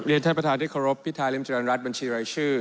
เรียนท่านประธานที่เคารพพิทาลิมจรรย์รัฐบัญชีไร้ชื่อ